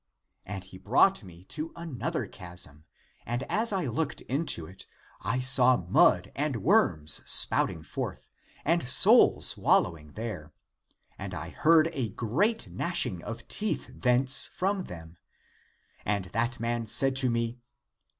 And he brought me to another chasm, and as I looked into it, I saw mud and worms spouting forth, and souls wallowing there; and (I heard) a great gnashing of teeth thence from them. And that man said to me.